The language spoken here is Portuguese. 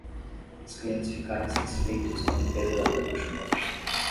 Os clientes ficaram insatisfeitos com a limpeza da lanchonete